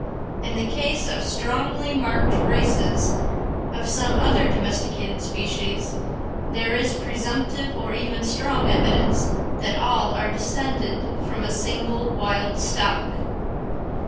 In the case of strongly marked races of some other domesticated species, there is presumptive or even strong evidence that all are descended from a single wild stock.